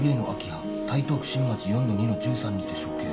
台東区新町４−２−１３にて処刑」